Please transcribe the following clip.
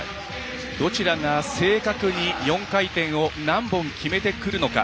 どちらが正確に４回転を何本決めてくるのか。